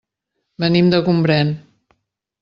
Venim de Gombrèn.